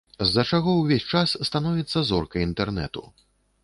З-за чаго ўвесь час становіцца зоркай інтэрнэту.